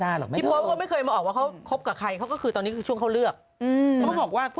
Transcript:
ถ้ายังไม่ได้ตกลงแต่งงานออกสื่อใส่แวน